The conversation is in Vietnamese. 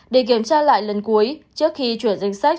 để kiểm tra lại lần cuối trước khi chuyển danh sách